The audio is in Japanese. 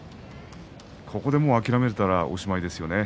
ここで諦めたらもうおしまいですよね。